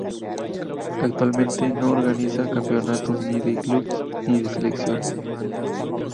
Actualmente no organiza campeonatos ni de clubes ni de selecciones.